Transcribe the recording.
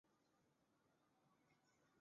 且肇俊哲在比赛中还攻入一球。